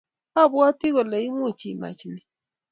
Abwati kole much imach ni